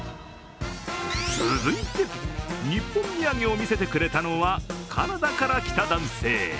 続いて、日本土産を見せてくれたのはカナダから来た男性。